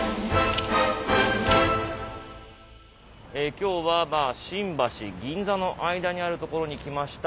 今日は新橋銀座の間にあるところに来ました。